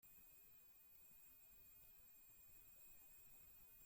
Se marchó a China, en plena Revolución Cultural, a estudiar su sistema político.